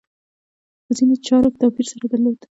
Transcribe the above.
په ځینو چارو کې توپیر سره درلود.